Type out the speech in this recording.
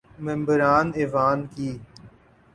ممبران ایوان کی